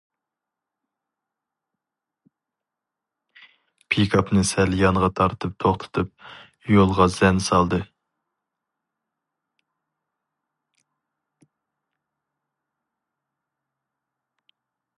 پىكاپنى سەل يانغا تارتىپ توختىتىپ، يولغا زەن سالدى.